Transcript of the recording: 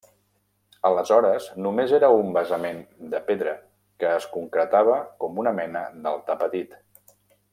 Aleshores només era un basament de pedra que es concretava com una mena d'altar petit.